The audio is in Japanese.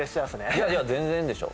いやいや全然でしょ